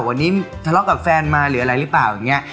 วันนี้ทะเลาะกับแฟนมาหรืออะไรหรือเปล่าอย่างนี้